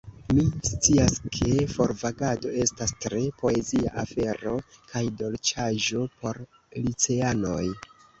Mi scias, ke forvagado estas tre poezia afero kaj dolĉaĵo por liceanoj.